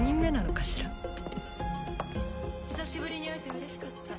久しぶりに会えてうれしかった。